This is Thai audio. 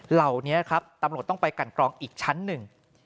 เหล่านี้ครับตำรวจต้องไปกันกรองอีกชั้นหนึ่ง